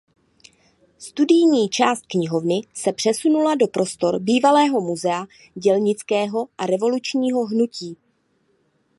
Studijní část knihovny se přesunula do prostor bývalého Muzea dělnického a revolučního hnutí.